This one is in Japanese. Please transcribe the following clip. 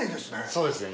そうですね